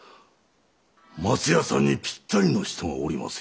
松屋さんにぴったりの人がおりますよ。